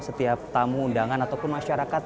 setiap tamu undangan ataupun masyarakat